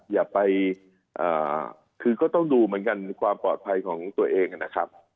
อย่าไปคือก็ต้องดูเหมือนกันความปลอดภัยของตัวเองนะครับ